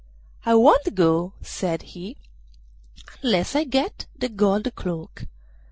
'I won't go,' said he, 'unless I get the gold cloak.